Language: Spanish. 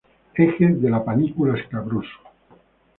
Eje de la panícula escabroso.